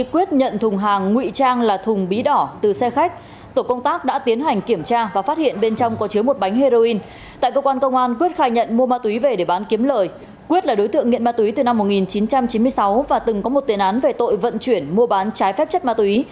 quyết là đối tượng nghiện ma túy từ năm một nghìn chín trăm chín mươi sáu và từng có một tiền án về tội vận chuyển mua bán trái phép chất ma túy